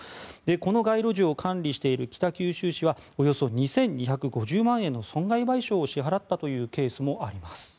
この街路樹を管理している北九州市はおよそ２２５０万円の損害賠償を支払ったというケースもあります。